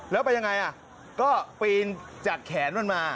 แล้วไปยังไงก็ปีนจากแขนมันมา